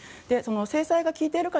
制裁が効いているか